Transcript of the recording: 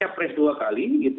capres dua kali